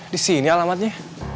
di sini alamatnya